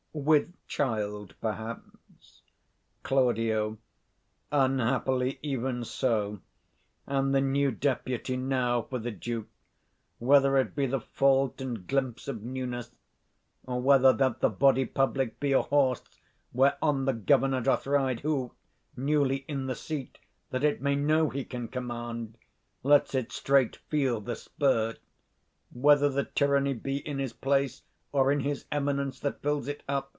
_ With child, perhaps? Claud. Unhappily, even so. And the new Deputy now for the Duke, 150 Whether it be the fault and glimpse of newness, Or whether that the body public be A horse whereon the governor doth ride, Who, newly in the seat, that it may know He can command, lets it straight feel the spur; 155 Whether the tyranny be in his place, Or in his eminence that fills it up.